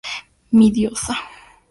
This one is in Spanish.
Mi diosa.